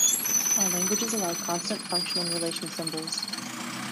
Our languages allow constant, function and relation symbols.